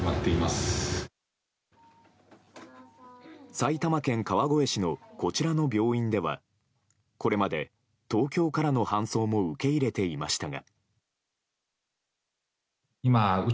埼玉県川越市のこちらの病院ではこれまで東京からの搬送も受け入れていましたが。